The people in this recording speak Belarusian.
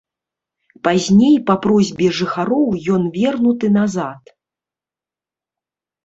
Пазней па просьбе жыхароў ён вернуты назад.